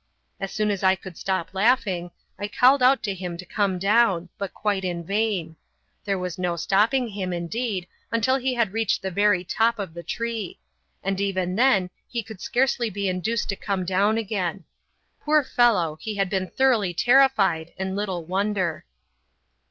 As soon as I could stop laughing, I called out to him to come down, but quite in vain. There was no stopping him, indeed, until he had reached the very top of the tree; and even then he could scarcely be induced to come down again. Poor fellow, he had been thoroughly terrified, and little wonder.